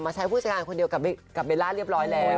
ใช้ผู้จัดการคนเดียวกับเบลล่าเรียบร้อยแล้ว